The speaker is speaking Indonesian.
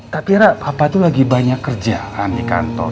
tapi rara papa lagi banyak kerjaan di kantor